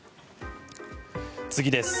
次です。